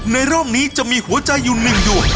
ในรอบนี้จะมีหัวใจอยู่๑ดวง